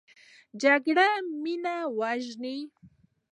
جګړه مینه وژني